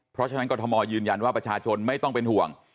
เพราะฉะนั้นกรทมยืนยันว่าประชาชนไม่ต้องเป็นห่วง